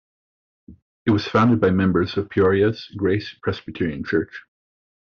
It was founded by members of Peoria's Grace Presbyterian Church.